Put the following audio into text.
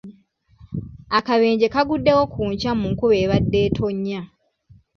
Akabenje kaguddewo ku nkya mu nkuba ebadde etonnya.